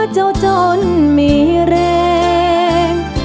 ขอบคุณครับ